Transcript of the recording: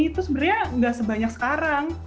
itu sebenarnya nggak sebanyak sekarang